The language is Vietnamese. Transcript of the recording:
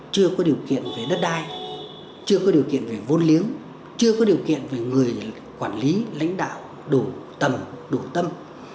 chưa có điều kiện về đất đai chưa có điều kiện về vôn liếng chưa có điều kiện về người quản lý lãnh đạo đủ tầm đủ tâm